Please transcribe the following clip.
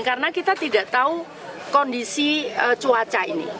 karena kita tidak tahu kondisi cuaca ini